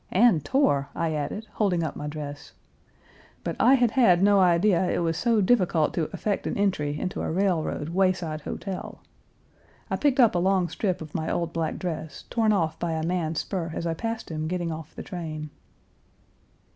"And tore," I added, holding up my dress. "But I had had no idea it was so difficult to effect an entry into a railroad wayside hotel." I picked up a long strip of my old black dress, torn off by a man's spur as I passed him getting off the train.